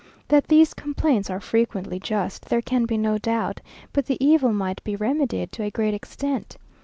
That these complaints are frequently just, there can be no doubt, but the evil might be remedied to a great extent.